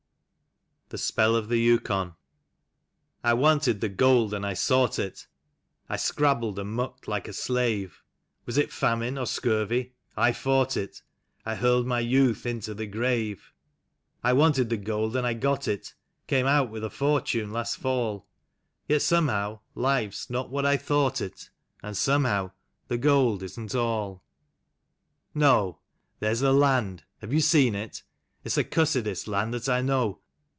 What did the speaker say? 15 THE SPELL OF THE YUKON. I WANTED the gold, and I sought it; I scrabbled and mucked like a slave. Was it famine or scurvy — 1 fought it; I hurled my youth into a grave. I wanted the gold and I got it — Came out with a fortune last fall, — Yet somehow life's not what I thought it. And somehow the gold isn't all. No! There's the land. (Have you seen it?) It's the cussedest land that I know.